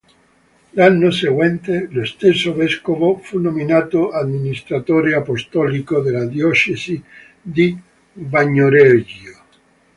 L'anno seguente lo stesso vescovo fu nominato amministratore apostolico della diocesi di Bagnoregio.